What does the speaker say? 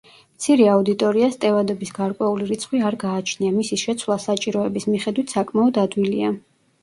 მცირე აუდიტორიას ტევადობის გარკვეული რიცხვი არ გააჩნია, მისი შეცვლა საჭიროების მიხედვით საკმაოდ ადვილია.